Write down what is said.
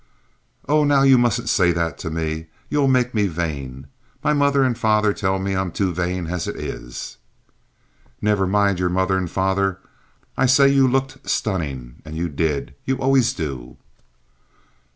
"Oh, now, you mustn't say that to me. You'll make me vain. My mother and father tell me I'm too vain as it is." "Never mind your mother and father. I say you looked stunning, and you did. You always do."